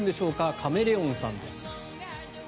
カメレオンさんです。